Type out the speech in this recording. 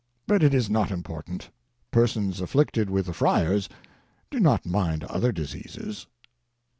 But it is not important; persons afflicted with the friars do not mind other diseases.